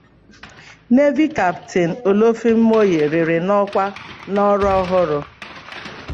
Navy Captain Olofin-Moyin riri na-ọkwa na ọrụ ọ họọrọ.